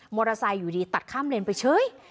มอเตอร์ไซค์อยู่ดีตัดข้ามเลนไปเฉย